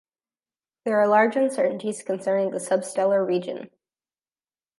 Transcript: There are large uncertainties concerning the substellar region.